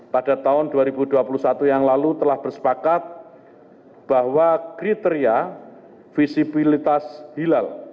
pada tahun dua ribu dua puluh satu yang lalu telah bersepakat bahwa kriteria visibilitas hilal